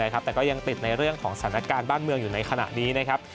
แต่ก็ยังติดในเรื่องของสถานการณ์บ้านเมืองอยู่ในขณะนี้นะครับ